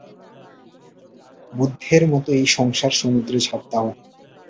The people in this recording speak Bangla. বুদ্ধের মত এই সংসার-সমুদ্রে ঝাঁপ দাও।